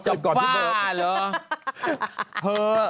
เกิดก่อนพี่เบิร์ดอ๋อเกิดก่อนพี่เบิร์ด